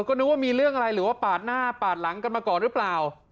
ก็นึกว่ามีเรื่องอะไรหรือว่าปาดหน้าปาดหลังกันมาก่อนหรือเปล่า